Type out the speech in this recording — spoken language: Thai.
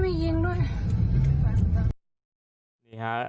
โอ้ยยิงด้วยโอ้ยมียิงด้วย